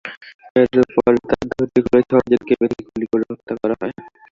এরপরে তাঁর ধুতি খুলে ছয়জনকে বেঁধে গুলি করে হত্যা করা হয়।